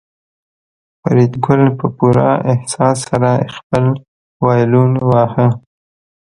فریدګل په پوره احساس سره خپل وایلون واهه